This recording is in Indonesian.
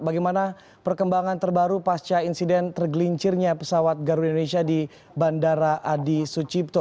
bagaimana perkembangan terbaru pasca insiden tergelincirnya pesawat garuda indonesia di bandara adi sucipto